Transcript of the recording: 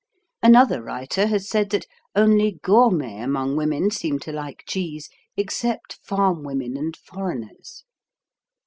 Another writer has said that "only gourmets among women seem to like cheese, except farm women and foreigners."